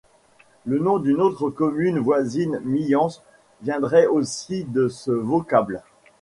Le nom d'une autre commune voisine Myans, viendrait aussi de ce vocable.